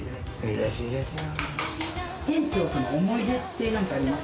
うれしいですよ。